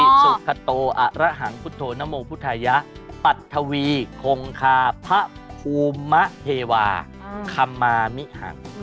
สุขโตอระหังพุทธนโมพุทธายะปัททวีคงคาพระภูมิเทวาคำมามิหัง